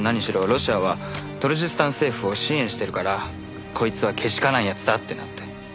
ロシアはトルジスタン政府を支援してるからこいつはけしからん奴だってなって。